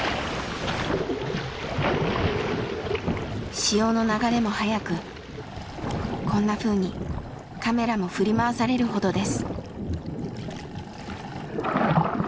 潮の流れも速くこんなふうにカメラも振り回されるほどです。